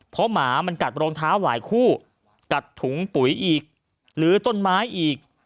เพราะหมามันกัดรองเท้าหลายคู่กัดถุงปุ๋ยอีกหรือต้นไม้อีก